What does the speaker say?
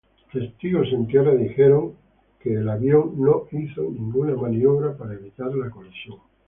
Testigos en tierra dijeron que ni avión hizo ninguna maniobra para evitar la colisión.